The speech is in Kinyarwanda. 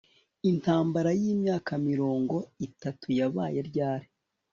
Intambara yimyaka mirongo itatu yabaye ryari